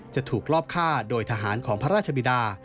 จะถูกลอบฆ่าโดยทหารของพระราชบิดา